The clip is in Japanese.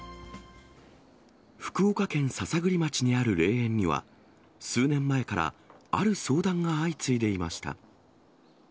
福岡県篠栗町にある霊園には、数年前から、ある相談が相次いでいました。